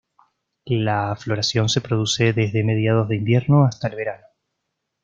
La floración se produce desde mediados de invierno hasta el verano.